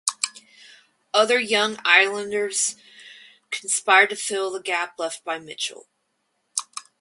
Other Young Irelanders conspired to fill the gap left by Mitchel.